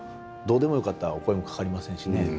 どうでもよかったらお声もかかりませんしね。